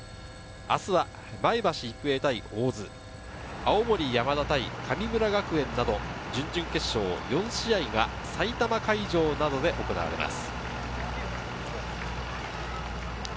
明日は前橋育英対大津、青森山田対神村学園など準々決勝４試合が埼玉会場などで行われます。